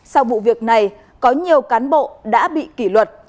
sau vụ việc này có nhiều cán bộ đã bị kỷ luật